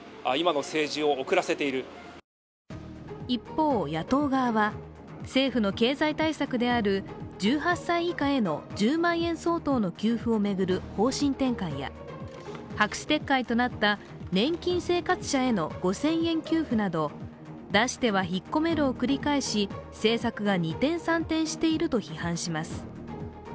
一方、野党側は政府の経済対策である１８歳以下への１０万円相当の給付を巡る方針転換や白紙撤回となった年金生活者への５０００円給付など出しては引っ込めるを繰り返し政策が二転三転していると批判します。